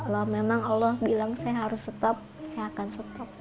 kalau memang allah bilang saya harus stop saya akan stop